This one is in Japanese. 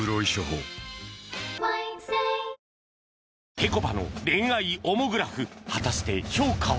ぺこぱの恋愛オモグラフ果たして評価は？